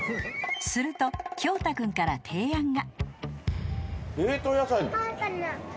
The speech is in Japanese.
［するときょうた君から提案が］